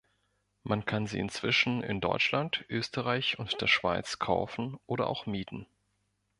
Man kann sie inzwischen in Deutschland, Österreich und der Schweiz kaufen oder auch mieten.